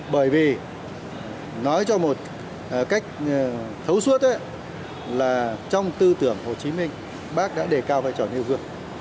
bởi vì nói cho một cách thấu suốt là trong tư tưởng hồ chí minh bác đã đề cao vai trò nêu gương